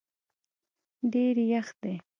ډېر یخ دی